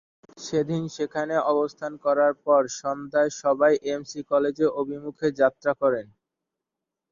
সেদিন সেখানে অবস্থান করার পর সন্ধ্যায় সবাই এমসি কলেজ অভিমুখে যাত্রা করেন।